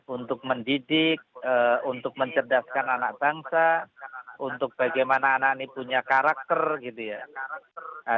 untuk mendidik untuk mencerdaskan anak bangsa untuk bagaimana anak ini punya karakter gitu ya